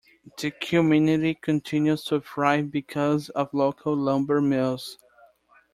The community continues to thrive because of local lumber mills.